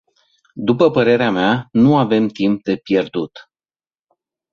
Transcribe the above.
După părerea mea, nu avem timp de pierdut.